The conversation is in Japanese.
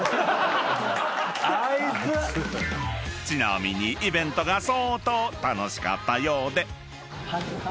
［ちなみにイベントが相当楽しかったようで］